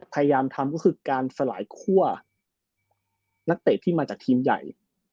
พยายามทำก็คือการสลายคั่วนักเตะที่มาจากทีมใหญ่